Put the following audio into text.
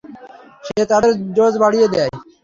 সে তাদের ডোজ বাড়িয়ে দেয়।